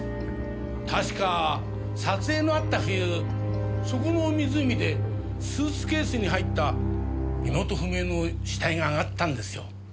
確か撮影のあった冬そこの湖でスーツケースに入った身元不明の死体が上がったんですよ。